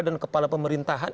dan kepala pemerintahan